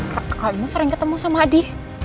kamu sering ketemu sama adi